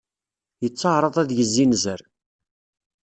Yettɛaraḍ ad yezzinzer.